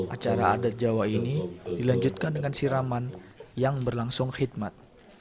acara adat jawa ini dilanjutkan dengan siraman yang berlangsung khidmat